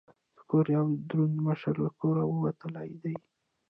د کور یو دروند مشر له کوره وتلی دی.